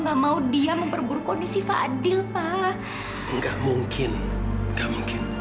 gak mungkin gak mungkin